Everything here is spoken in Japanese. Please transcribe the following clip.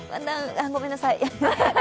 ごめんなさい